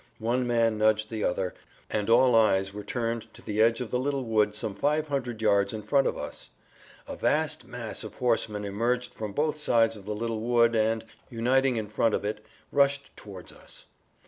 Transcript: One man nudged the other, and all eyes were turned to the edge of the little wood some five hundred yards in front of us. A vast mass of horsemen emerged from both sides of the little wood[Pg 56] and, uniting in front of it, rushed towards us.